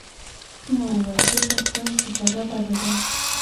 ما وويل دلته ستا استفاده بده ده.